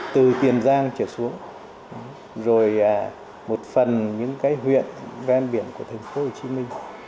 từ kiên giang trở xuống rồi một phần những cái huyện ran biển của thành phố hồ chí minh